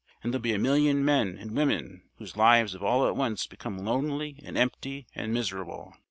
And there'll be a million men and women whose lives have all at once become lonely and empty and miserable.